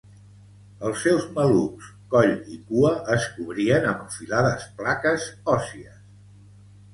Els seus malucs, coll i cua es cobrien amb afilades plaques òssies.